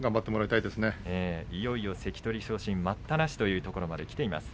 いよいよ関取昇進待ったなしというところまできています。